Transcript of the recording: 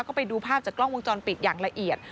ก็ไปดูภาพจากกล้องวงจรปิดอย่างละเอียด